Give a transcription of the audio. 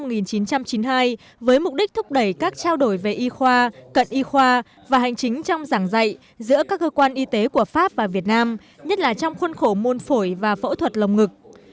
hội phổi pháp việt được thành lập từ năm một nghìn chín trăm chín mươi hai với mục đích thúc đẩy các trao đổi về y khoa cận y khoa và hành chính trong giảng dạy giữa các cơ quan y tế của pháp và việt nam nhất là trong khuôn khổ môn phổi và phẫu thuật lồng ngực